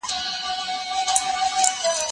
زه پرون کتابونه وړم وم،